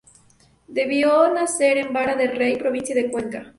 Debió nacer en Vara de Rey, provincia de Cuenca.